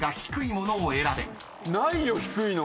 ないよ低いの！